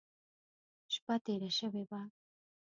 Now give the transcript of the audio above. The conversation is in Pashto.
شپه تېره شوې وه.